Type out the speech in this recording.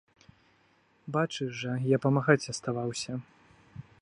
Бачыш жа, я памагаць аставаўся.